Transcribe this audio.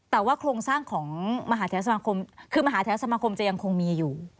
แต่ว่าโครงสร้างของมหาเทศสมาคมคือมหาเทศสมาคมจะยังคงมีอยู่